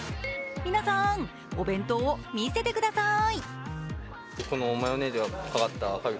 皆さん、お弁当を見せてください。